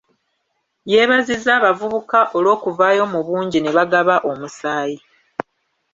Yeebazizza abavubuka olwokuvaayo mu bungi ne bagaba omusaayi.